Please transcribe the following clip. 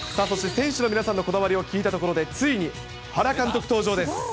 そして選手の皆さんのこだわりを聞いたところで、ついに原監督登場です。